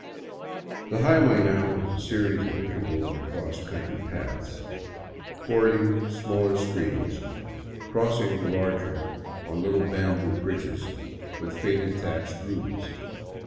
The highway now was a series of interwoven cross country paths, fording the smaller streams, crossing the larger on little bamboo bridges with faded thatched roofs.